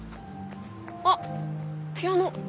あっピアノ。